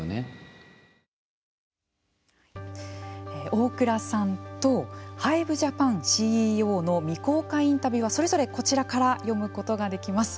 大倉さんとＨＹＢＥＪＡＰＡＮＣＥＯの未公開インタビューはそれぞれこちらから読むことができます。